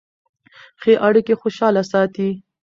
ښې اړیکې خوشحاله ساتي.